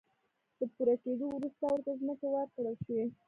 له پوره کېدو وروسته ورته ځمکې ورکړل شوې.